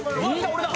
俺だ。